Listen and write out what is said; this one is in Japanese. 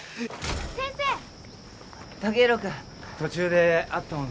途中で会ったもんで。